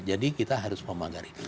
jadi kita harus memagari